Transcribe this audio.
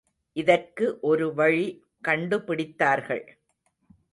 இதற்கு ஒரு வழி கண்டுபிடித்தார்கள்.